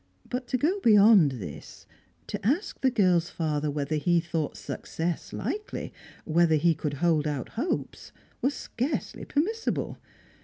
But to go beyond this, to ask the girl's father whether he thought success likely, whether he could hold out hopes, was scarcely permissible.